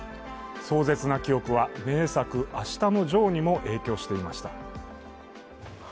壮絶な記憶は名作「あしたのジョー」にも影響していました。